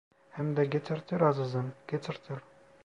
Hem de getirtir azizim, getirtir…